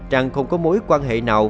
rằng không có mối quan hệ nào